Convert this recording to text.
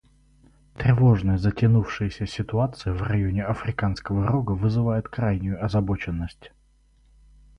Тревожная затянувшаяся ситуация в районе Африканского Рога вызывает крайнюю озабоченность.